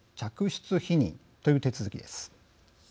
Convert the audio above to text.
嫡出否認という手続きです。